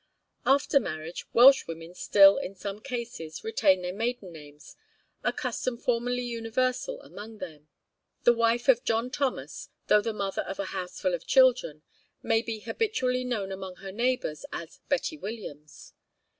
After marriage, Welshwomen still in some cases retain their maiden names, a custom formerly universal among them. The wife of John Thomas, though the mother of a houseful of children, may be habitually known among her neighbours as Betty Williams.